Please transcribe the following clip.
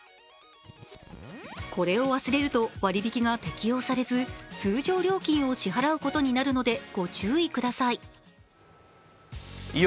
これを忘れると、割引が適用されず通常料金を支払うことになるのでご注意ください。